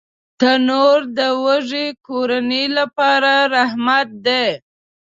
تنور د وږې کورنۍ لپاره رحمت دی